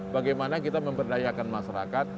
bagaimana kita memperdayakan masyarakat